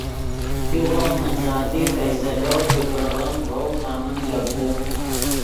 فګیغو من ذاتی فیصلو کہ کڑغیم ڤؤ نمن گپ دے